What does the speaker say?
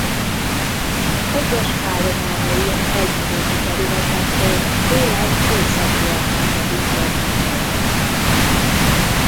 Egyes állományai a hegyvidéki területekről télen Észak-Vietnámba húzódnak telelni.